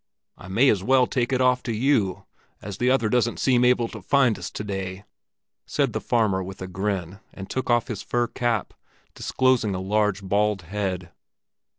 "I may as well take it off to you, as the other doesn't seem able to find us to day," said the farmer with a grin, and took off his fur cap, disclosing a large bald head.